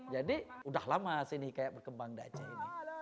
jadi sudah lama sih ini hikayat berkembang di aceh ini